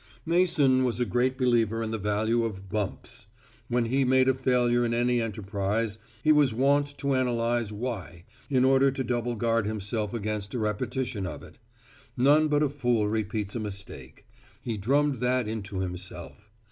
Mason was a great believer in the value of "bumps." When he made a failure in any enterprise, he was wont to analyze why, in order to double guard himself against a repetition of it. None but a fool repeats a mistake. He drummed that into himself.